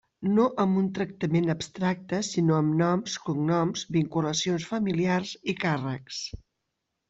No amb un tractament abstracte, sinó amb noms, cognoms, vinculacions familiars i càrrecs.